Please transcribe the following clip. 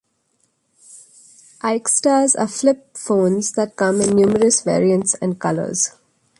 Ayxtas are flip phones that come in numerous variants and colors.